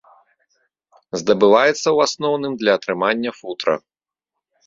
Здабываецца ў асноўным для атрымання футра.